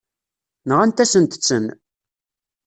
Nɣant-asent-ten.